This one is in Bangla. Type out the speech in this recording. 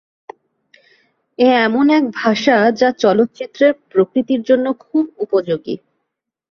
এ এমন এক ভাষা যা চলচ্চিত্রের প্রকৃতির জন্য খুব উপযোগী।